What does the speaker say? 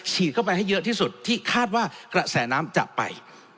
ฉีดเข้าไปให้เยอะที่สุดที่คาดว่ากระแสน้ำจะไป